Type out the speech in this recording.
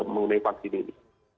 mengenai vaksin ini